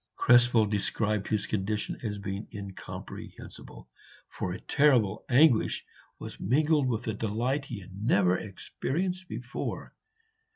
Krespel described his condition as being incomprehensible, for terrible anguish was mingled with a delight he had never experienced before.